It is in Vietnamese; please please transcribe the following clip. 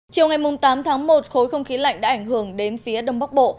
chiều ngày tám tháng một khối không khí lạnh đã ảnh hưởng đến phía đông bắc bộ